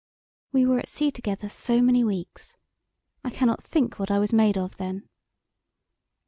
We were at sea together so many weeks. I cannot think what I was made of then!